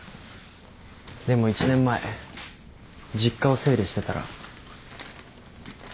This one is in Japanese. でも１年前実家を整理してたら。